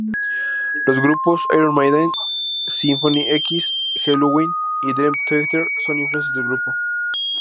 Los grupos Iron Maiden, Symphony X, Helloween y Dream Theater son influencias del grupo.